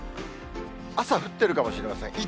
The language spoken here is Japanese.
朝降ってるかもしれません。